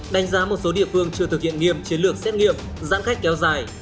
đánh giá một số địa phương chưa thực hiện nghiêm chiến lược xét nghiệm giãn cách kéo dài